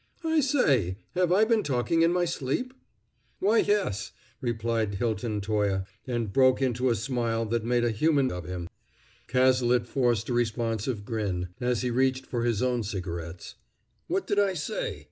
"I say! Have I been talking in my sleep?" "Why, yes!" replied Hilton Toye, and broke into a smile that made a human being of him. Cazalet forced a responsive grin, as he reached for his own cigarettes. "What did I say?"